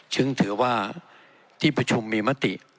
ซึ่งถือว่าที่ประชุมมีมัตติ